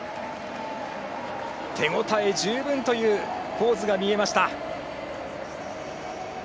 手応え十分というポーズが見えました。